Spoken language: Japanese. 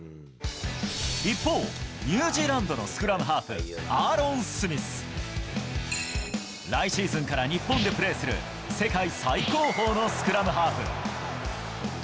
一方、ニュージーランドのスクラムハーフ、アーロン・スミス。来シーズンから日本でプレーする世界最高峰のスクラムハーフ。